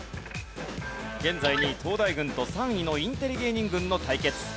現在２位東大軍と３位のインテリ芸人軍の対決。